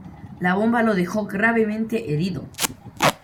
La bomba lo dejó gravemente herido.